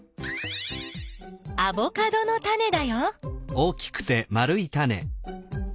アボカドのタネだよ。